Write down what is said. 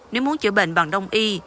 nếu muốn chữa bệnh bằng đông y